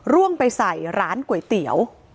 ร่วงไปใส่ร้านก๋วยเตี๋ยว